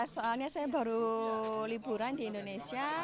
soalnya saya baru liburan di indonesia